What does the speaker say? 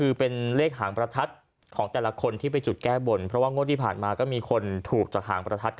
เอ้อเลขหางประทัดเมื่อกี้เลขหางประทัด